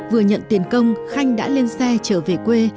vừa nhận tiền công khanh đã lên xe trở về quê